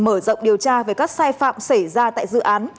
mở rộng điều tra về các sai phạm xảy ra tại dự án